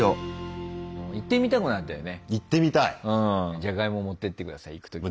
じゃがいも持ってって下さい行く時には。